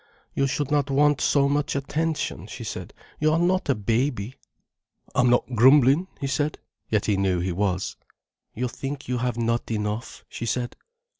"You should not want so much attention," she said. "You are not a baby." "I'm not grumbling," he said. Yet he knew he was. "You think you have not enough," she said.